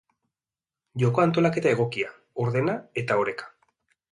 Joko antolaketa egokia, ordena eta oreka.